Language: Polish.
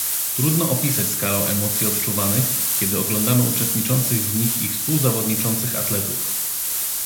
Trudno opisać skalę emocji odczuwanych, kiedy oglądamy uczestniczących w nich i współzawodniczących atletów